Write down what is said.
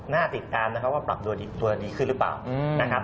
น่าติดตามนะครับว่าปรับตัวดีขึ้นหรือเปล่านะครับ